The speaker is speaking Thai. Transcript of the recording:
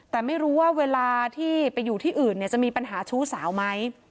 แต่ไม่รู้ว่าเวลาที่ไปอยู่ที่อื่นจะมีปัญหาชู้สาวไหม